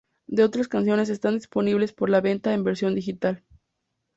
Dos otras canciones están disponibles por la venta en versión digital.